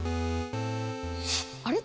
あれ？